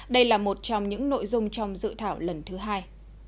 đây là một trong những nội dung trong dự thảo lần thứ hai